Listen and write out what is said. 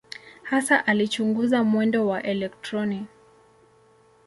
Hasa alichunguza mwendo wa elektroni.